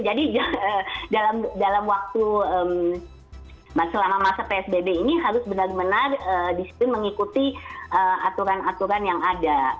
jadi dalam waktu selama masa psbb ini harus benar benar di train mengikuti aturan aturan yang ada